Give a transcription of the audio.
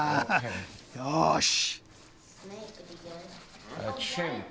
よし。